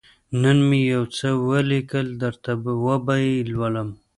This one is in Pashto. _نن مې يو څه ولېکل، درته وبه يې لولم.